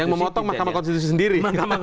yang memotong mahkamah konstitusi sendiri